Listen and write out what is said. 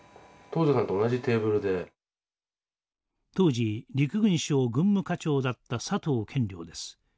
当時陸軍省軍務課長だった佐藤賢了です。